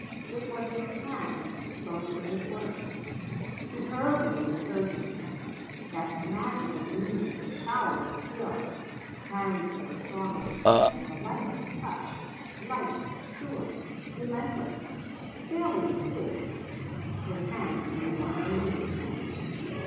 It was his hands spoke for his work superbly the surgeon's hands, that magical union of power and skill, hands for the strongest grip and the lightest touch, lithe, sure, relentless, fairly intuitive. His hands made one believe in him.